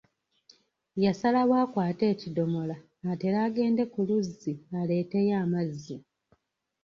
Yasalawo akwate ekidomola atere agende ku luzzi aleeteyo amazzi.